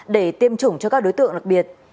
để tiêm chủng cho các đối tượng đặc biệt